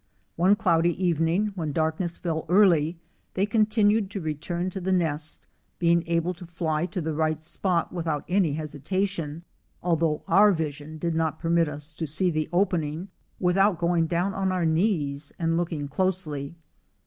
One cloudy evening when darkness fell early they continued to return to the nest, being able to fly to the right spot without any hesi tation, although our vision did not permit us to see the opening without going down on our knees and looking closely.